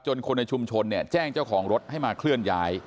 คนในชุมชนเนี่ยแจ้งเจ้าของรถให้มาเคลื่อนย้าย